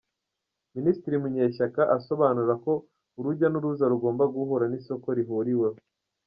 Minisitiri Munyeshyaka asobanura ko urujya n’uruza rugomba guhura n’isoko rihuriweho.